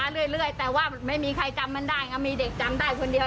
เรื่อยแต่ว่าไม่มีใครจำมันได้ไงมีเด็กจำได้คนเดียว